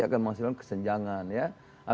akan menghasilkan kesenjangan ya